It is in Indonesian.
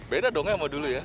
beda dong sama dulu ya